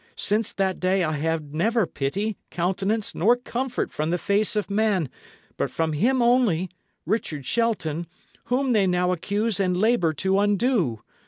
Since that day I had never pity, countenance, nor comfort from the face of man but from him only Richard Shelton whom they now accuse and labour to undo.